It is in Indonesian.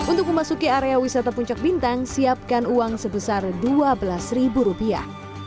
untuk memasuki area wisata puncak bintang siapkan uang sebesar dua belas ribu rupiah